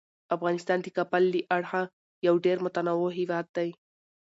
افغانستان د کابل له اړخه یو ډیر متنوع هیواد دی.